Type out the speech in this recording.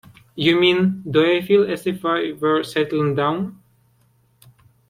You mean, do I feel as if I were settling down?